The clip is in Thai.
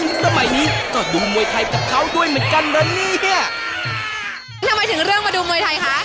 ทีนี้ทำไมถึงเรื่องมาดูมวยไทยคะ